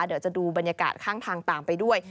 เดี๋ยวจะดูบรรยากาศข้างทางตามไปด้วย